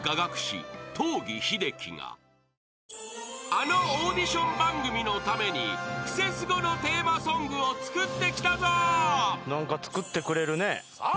［あのオーディション番組のために『クセスゴ！』のテーマソングを作ってきたぞ］